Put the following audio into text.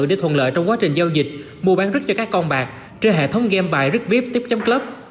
để thuận lợi trong quá trình giao dịch mua bán rước cho các con bạc trên hệ thống game bài rước viếp tiếp chấm club